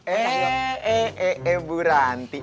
eh eh eh eh buranti